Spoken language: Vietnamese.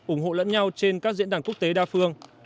ủng hộ lẫn nhau trên các diễn đàn quốc tế đa phương